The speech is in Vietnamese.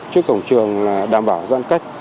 trước cổng trường đảm bảo giãn cách